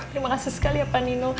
terima kasih sekali ya panino